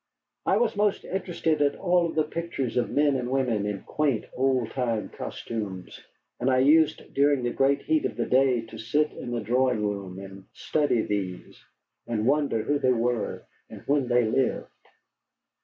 I was most interested of all in the pictures of men and women in quaint, old time costumes, and I used during the great heat of the day to sit in the drawing room and study these, and wonder who they were and when they lived.